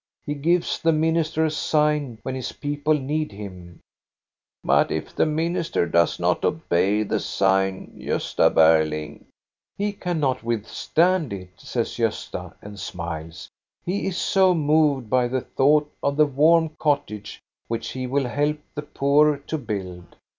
He gives the minister a sign when His people need him." " But if the minister does not obey the sign, Gosta Berling?" " He cannot withstand it," says Gosta, and smiles. " He is so moved by the thought of the warm cottages which he will help the poor to build."